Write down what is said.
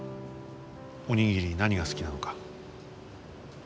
おにぎり何が好きなのか。